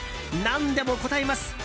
何でも答えます！